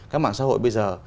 các mạng xã hội bây giờ